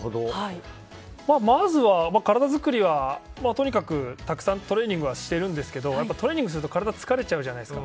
まずは体づくりはとにかくたくさんトレーニングはしてるんですけどトレーニングすると疲れちゃうじゃないですか。